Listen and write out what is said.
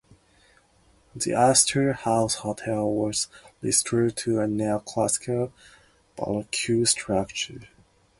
The Astor House Hotel was restored to a neo-classical Baroque structure.